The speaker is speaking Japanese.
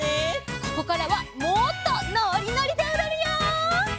ここからはもっとのりのりでおどるよ！